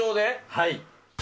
はい。